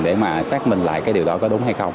để mà xác minh lại cái điều đó có đúng hay không